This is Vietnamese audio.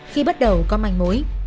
khi bắt đầu có mảnh mối